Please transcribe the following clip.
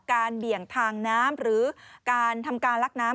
เบี่ยงทางน้ำหรือการทำการลักน้ำ